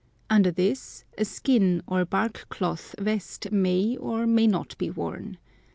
Under this a skin or bark cloth vest may or may not be worn.